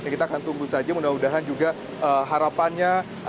kita akan tunggu saja mudah mudahan juga harapannya